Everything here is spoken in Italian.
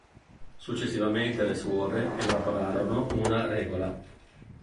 Successivamente le suore elaborano una regola.